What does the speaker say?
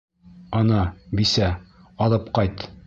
Ана — бисә, алып ҡайт.